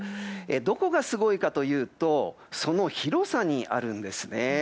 どこがすごいかというとその広さにあるんですね。